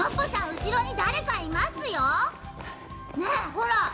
うしろにだれかいますよ。ねえほら。